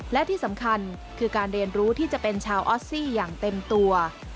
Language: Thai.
และที่สำคัญคือการเรียนรู้ที่จะเป็นชาวออสซี่อย่างเต็มตัว